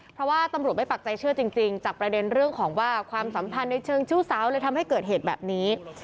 เพราะว่าตำรวจไม่ปักใจเชื่อจริงจากประเด็นเรื่องของว่าความสัมพันธ์ในเชิงชู้สาวเลยทำให้เกิดเหตุแบบนี้